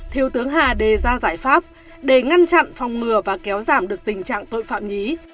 thiếu tướng hà đề ra giải pháp để ngăn chặn phòng ngừa và kéo giảm được tình trạng tội phạm nhí